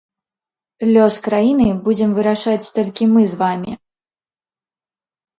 Лёс краіны будзем вырашаць толькі мы з вамі.